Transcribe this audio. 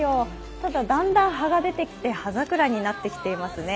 ただ、だんだん葉が出てきて葉桜になってきてますね。